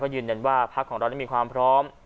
ยืนยันว่าพักของเรานั้นมีความพร้อม